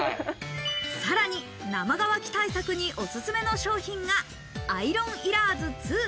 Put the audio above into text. さらに生乾き対策におすすめの商品がアイロンいらず２。